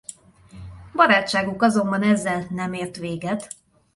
Barátságuk azonban ezzel nem ér véget.